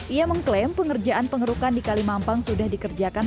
ia mengklaim pengerjaan pengerukan di kalimampang sudah dikerjakan